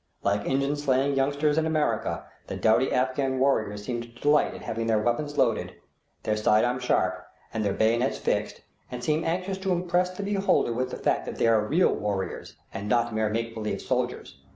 Like Injun slaying youngsters in America, the doughty Afghan warriors seem to delight in having their weapons loaded, their sidearms sharp, and their bayonets fixed, and seem anxious to impress the beholder with the fact that they are real warriors, and not mere make believe soldiers.